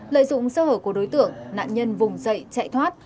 lợi dụng sơ hở của đối tượng nạn nhân vùng dậy chạy thoát